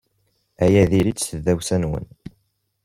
Aya diri-t i tdawsa-nwen.